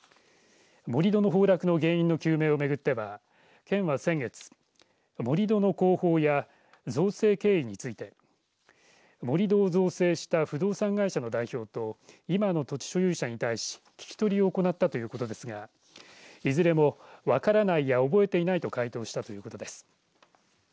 盛り土の崩落の原因の究明をめぐっては県は先月、盛り土の工法や造成経緯について盛り土を造成した不動産会社の代表と今の土地所有者に対し聞き取りを行ったということですがいずれも分からないや覚えていないと回答したということです。